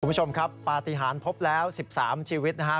คุณผู้ชมครับปลาธิฮานพบแล้ว๑๓ชีวิตนะครับ